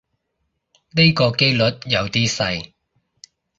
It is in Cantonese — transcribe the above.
呢個機率有啲細